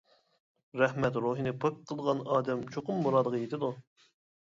رەھمەت روھىنى پاك قىلغان ئادەم چوقۇم مۇرادىغا يېتىدۇ.